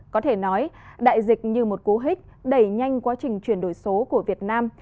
có thể nói đại dịch như một cố hích đẩy nhanh quá trình chuyển đổi số của việt nam